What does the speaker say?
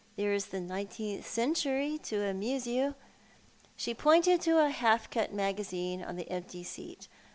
There is the Nineteenth Century to amuse you." She pointed to a half cut magazine on the empty seat.